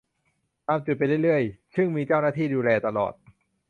ตามจุดไปเรื่อยเรื่อย ซึ่งมีเจ้าหน้าที่ดูแลตลอด